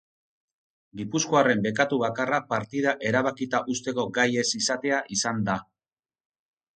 Gipuzkoarren bekatu bakarra partida erabakita uzteko gai ez izatea izan da.